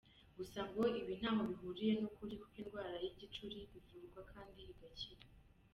Gusa ngo ibi ntaho bihuriye n’ukuri kuko indwara y’igicuri ivurwa kandi igakira.